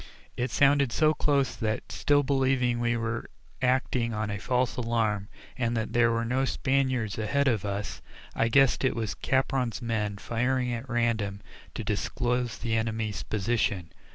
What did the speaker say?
It sounded so close that still believing we were acting on a false alarm, and that there were no Spaniards ahead of us I guessed it was Capron's men firing at random to disclose the enemy's position.